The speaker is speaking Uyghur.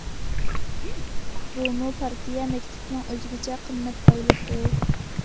بۇمۇ پارتىيە مەكتىپىنىڭ ئۆزگىچە قىممەت بايلىقى.